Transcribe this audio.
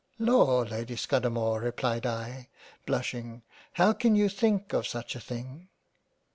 " Law, Lady Scudamore replied I blushing how can you think of such a thing